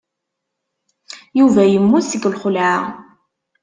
Yuba yemmut seg lxelɛa.